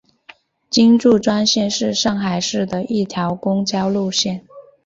金祝专线是上海市的一条公交路线。